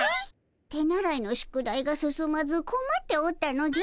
手習いの宿題が進まずこまっておったのじゃ。